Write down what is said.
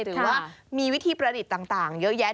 หรือว่ามีวิธีประดิษฐ์ต่างเยอะแยะ